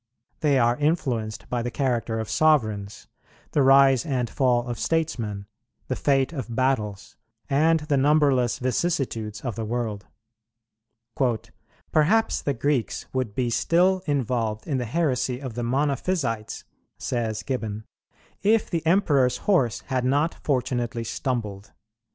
They are influenced by the character of sovereigns, the rise and fall of statesmen, the fate of battles, and the numberless vicissitudes of the world. "Perhaps the Greeks would be still involved in the heresy of the Monophysites," says Gibbon, "if the Emperor's horse had not fortunately stumbled.